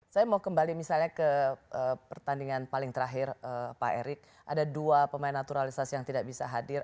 saya mau kembali misalnya ke pertandingan paling terakhir pak erik ada dua pemain naturalisasi yang tidak bisa hadir